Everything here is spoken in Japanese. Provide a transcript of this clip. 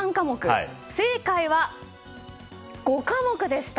正解は、５科目でした。